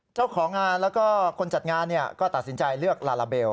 เจ้าของงานแล้วก็คนจัดงานก็ตัดสินใจเลือกลาลาเบล